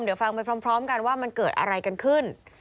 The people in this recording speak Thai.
เดี๋ยวฟังไปพร้อมกันว่ามันเกิดอะไรกันขึ้น